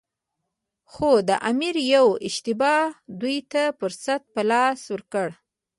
خو د امیر یوې اشتباه دوی ته فرصت په لاس ورکړ.